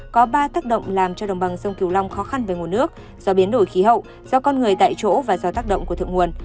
có ba tác động làm cho đồng bằng sông kiều long khó khăn về nguồn nước do biến đổi khí hậu do con người tại chỗ và do tác động của thượng nguồn